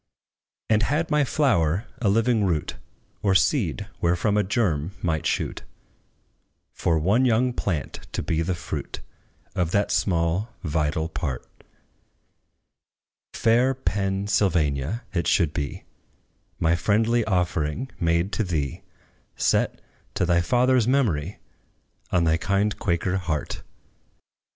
And had my flower a living root, Or seed wherefrom a germ might shoot For one young plant to be the fruit Of that small vital part, Fair PENN SYLVANIA, it should be, My friendly offering made to thee Set, to thy father's memory, On thy kind Quaker heart.